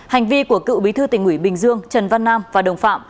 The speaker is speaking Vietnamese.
hành vi của cựu bí thư tỉnh ủy bình dương trần văn nam và đồng phạm